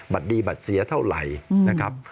ดีบัตรเสียเท่าไหร่นะครับ